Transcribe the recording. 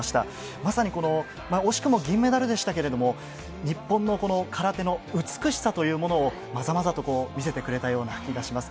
まさに惜しくも銀メダルでしたが日本の空手の美しさというものをまざまざと見せてくれような気がします。